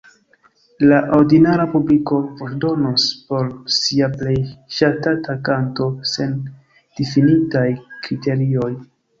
La ordinara publiko voĉdonos por sia plej ŝatata kanto, sen difinitaj kriterioj.